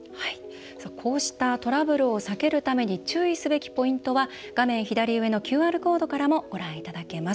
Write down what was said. こうしたトラブルを避けるために注意すべきポイントは画面左上のＱＲコードからもご覧いただけます。